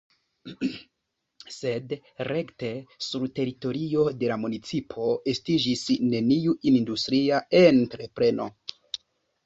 Sed rekte sur teritorio de la municipo estiĝis neniu industria entrepreno.